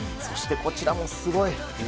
そして、こちらもすごい。